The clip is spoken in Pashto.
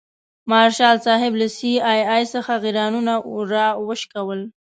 مارشال صاحب له سي آی اې څخه غیرانونه راوشکول.